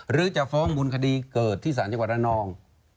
หรือจากฟ้องหมูลคดีเกิดที่ศาลจักรวรรณ์ละนอง